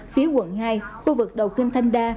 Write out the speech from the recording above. phía quận hai khu vực đầu kênh thanh đa